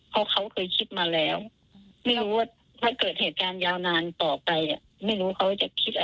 เพราะเขาเคยคิดมาแล้วไม่รู้ว่าถ้าเกิดเหตุการณ์ยาวนานต่อไป